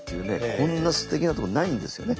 こんなすてきなとこないんですよね。